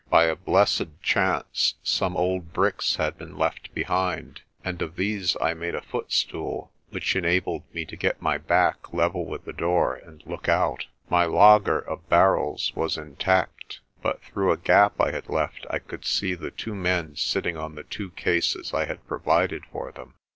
By a blessed chance some old bricks had been left behind, and of these I made a foot stool, which enabled me to get my back level with the door and look out. My laager of barrels was intact, but through a gap I had left I could see the two men sitting on the two cases I had provided for them.